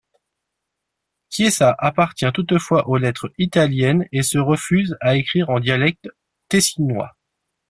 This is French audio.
Chiesa appartient toutefois aux lettres italiennes et se refuse à écrire en dialecte tessinois.